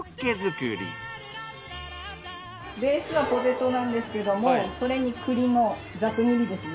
ベースはポテトなんですけどもそれに栗もざく切りですね。